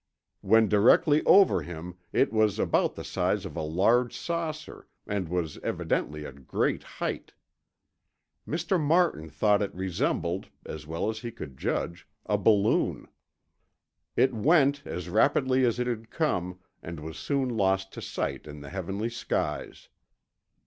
When directly over him it was about the size of a large saucer and was evidently at great height. Mr. Martin thought it resembled, as well as he could judge, a balloon. It went as rapidly as it had come and was soon lost to sight in the heavenly skies.